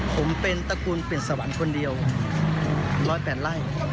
ผมเป็นตระกูลปิดสวรรค์คนเดียว๑๐๘ไร่